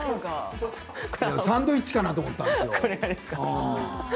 サンドイッチかなと思ったんですよ。